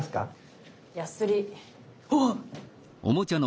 あっ！